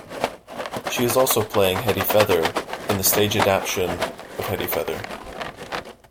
She is also playing Hetty Feather in the stage adaptation of Hetty Feather.